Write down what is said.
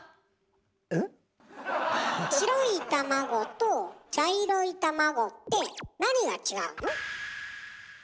白い卵と茶色い卵ってなにが違うの？